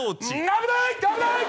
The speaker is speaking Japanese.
危ない！